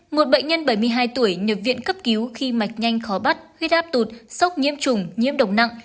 một bệnh nhân bảy mươi hai tuổi nhập viện cấp cứu khi mạch nhanh khó bắt huyết áp tụt sốc nhiễm trùng nhiễm độc nặng